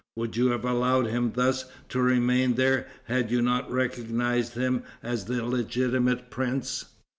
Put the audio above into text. Would you have allowed him thus to remain there had you not recognized him as the legitimate prince?"